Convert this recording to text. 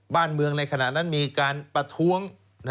บ้านเมืองในขณะนั้นมีการประท้วง